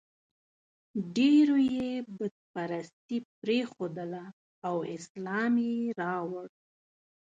ډېرو یې بت پرستي پرېښودله او اسلام یې راوړ.